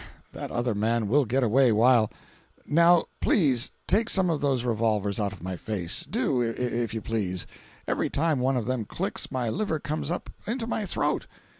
That other man will get away while.—Now please take some of those revolvers out of my face—do, if you please! Every time one of them clicks, my liver comes up into my throat!